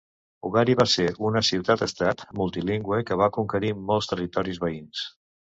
Ugarit va ser una ciutat-estat multilingüe que va conquerir molts territoris veïns.